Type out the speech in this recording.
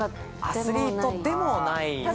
アスリートでもないです。